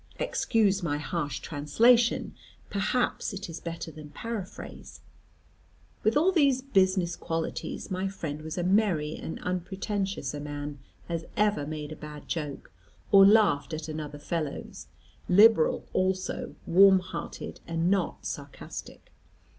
Excuse my harsh translation, perhaps it is better than paraphrase. With all these business qualities, my friend was as merry and unpretentious a man as ever made a bad joke, or laughed at another fellow's; liberal also, warm hearted, and not sarcastic.